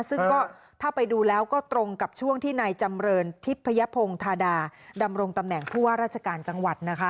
ซึ่งก็ถ้าไปดูแล้วก็ตรงกับช่วงที่นายจำเรินทิพยพงธาดาดำรงตำแหน่งผู้ว่าราชการจังหวัดนะคะ